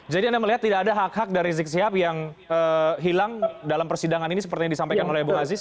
jadi anda melihat tidak ada hak hak dari zik siap yang hilang dalam persidangan ini sepertinya disampaikan oleh bu aziz